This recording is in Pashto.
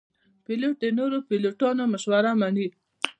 پیلوټ د نورو پیلوټانو مشوره مني.